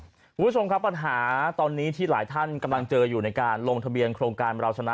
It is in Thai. คุณผู้ชมครับปัญหาตอนนี้ที่หลายท่านกำลังเจออยู่ในการลงทะเบียนโครงการเราชนะ